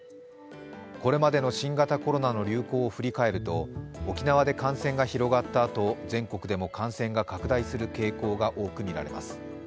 これまでの新型コロナの流行を振り返ると沖縄で感染が広がった後全国でも感染が拡大する傾向が多くみられます。